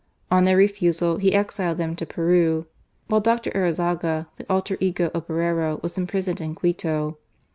On their refusal, he exiled them to Peru ; while Dr. Arizaga, the alter ego of Borrero, was imprisoned in Quito.